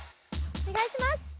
お願いします！